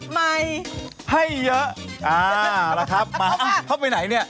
ใหม่ให้เยอะอ่าละครับมาเข้าไปไหนเนี่ย